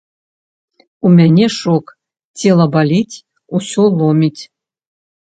У мяне шок, цела баліць, усё ломіць.